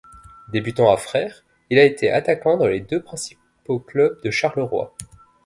Débutant à Fraire, il a été attaquant dans les deux principaux clubs de Charleroi.